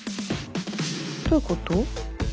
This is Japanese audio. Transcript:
どういうこと？